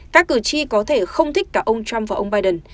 các cử tri có thể không thích cả ông trump và ông biden